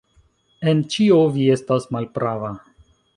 En ĉio vi estas malprava.